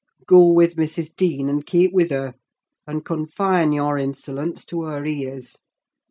Go with Mrs. Dean, and keep with her; and confine your insolence to her ears.